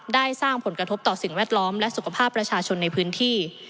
ได้สร้างผลกระทบต่อสิ่งแวดล้อมและสุขภาพประชาชนในพื้นที่